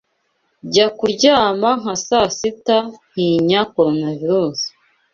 Njya kuryama nka saa sita ntinya Coronavirusi.